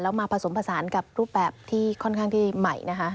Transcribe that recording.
มาผสมผสานกับรูปแบบที่ค่อนข้างที่ใหม่นะคะ